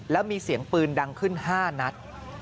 แล้วมีเสียงปืนดังขึ้น๕นัด